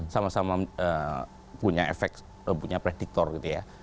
sama sama punya efek punya prediktor gitu ya